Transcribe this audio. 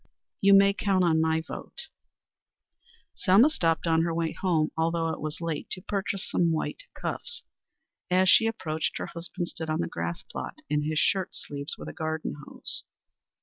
"You may count on my vote." Selma stopped on her way home, although it was late, to purchase some white cuffs. As she approached, her husband stood on the grass plot in his shirt sleeves with a garden hose.